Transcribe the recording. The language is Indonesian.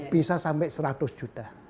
bisa sampai seratus juta